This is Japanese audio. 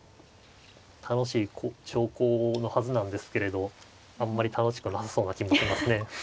楽しい長考のはずなんですけれどあんまり楽しくなさそうな気もしますね。